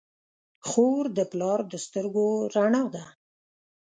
خور د پلار د سترګو رڼا ده.